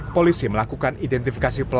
polisi melakukan identifikasi pelaku